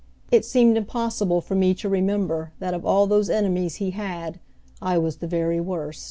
It seemed impossible for me to remember that of all those enemies he had I was the very worst.